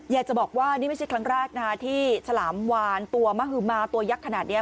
อยากจะบอกว่านี่ไม่ใช่ครั้งแรกนะที่ฉลามวานตัวมหือมาตัวยักษ์ขนาดนี้